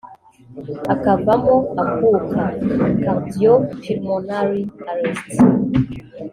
akavamo akuka (Cardiopulmonary arrest)